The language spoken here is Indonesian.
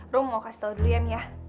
rom mau kasih tau dulu ya miah